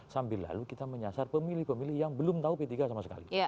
sambil lalu kita menyasar pemilih pemilih yang belum tahu p tiga sama sekali